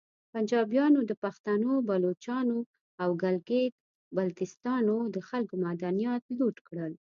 پنجابیانو د پختنو، بلوچانو او ګلګیت بلتیستان د خلکو معدنیات لوټ کړل